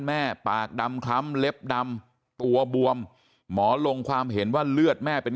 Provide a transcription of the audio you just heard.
แม่ปากดำคล้ำเล็บดำตัวบวมหมอลงความเห็นว่าเลือดแม่เป็น